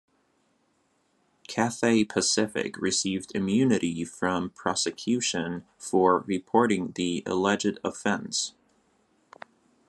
Cathay Pacific received immunity from prosecution for reporting the alleged offence.